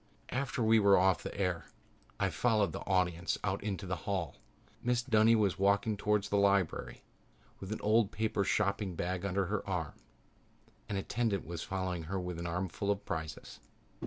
After we were off the air I followed the audience out into the hall. Mrs. Dunny was walking towards the lobby with an old paper shopping bag under her arm. An attendant was following her with an armful of prizes.